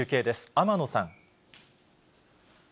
天野さん。